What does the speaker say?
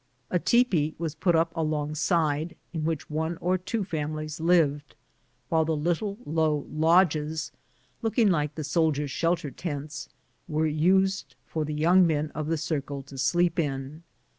A tepee was put up alongside, in which one or two families lived, while little low lodges, looking like the soldiers' shelter tents, were used for the young men of the circle to sleep in.